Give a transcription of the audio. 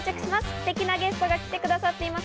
ステキなゲストが来てくださっています。